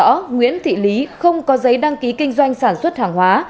trước đó nguyễn thị lý không có giấy đăng ký kinh doanh sản xuất hàng hóa